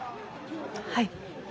はい。